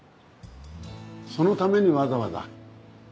そのためにわざわざ？